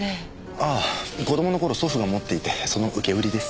ああ子供の頃祖父が持っていてその受け売りです。